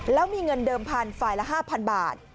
แล้วมีเงินเดิมพันธุ์ฝ่ายละ๕๐๐บาท